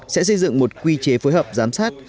sẽ xây dựng một quy chế phối hợp giám sát